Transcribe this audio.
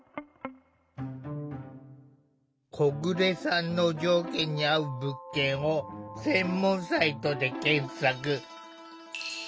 小暮さんの条件に合う物件を専門サイトで検索。